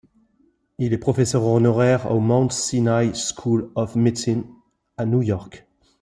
Il est professeur honoraire au Mount Sinai School of Medicine, à New York.